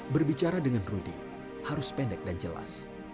berbicara dengan rudy harus pendek dan jelas